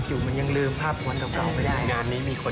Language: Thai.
คนไม่รักคือไม่รัก